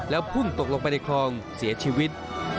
พุ่งตกลงไปในคลองเสียชีวิต